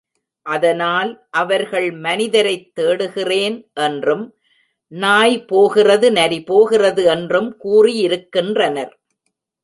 அதனால், அவர்கள் மனிதரைத் தேடுகிறேன் என்றும், நாய் போகிறது நரி போகிறது என்றும் கூறியிருக்கின்றனர்.